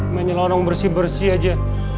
menyelonong bersih bersih aja